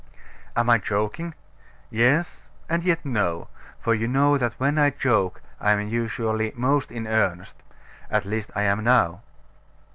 Am I joking? Yes, and yet no; for you know that when I joke I am usually most in earnest. At least, I am now.